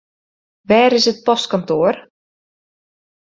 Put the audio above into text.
Wêr is it postkantoar?